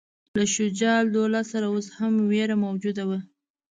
له شجاع الدوله سره اوس هم وېره موجوده وه.